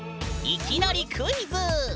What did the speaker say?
いきなりクイズ！